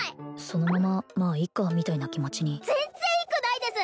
そのまままいっかみたいな気持ちに全然いくないです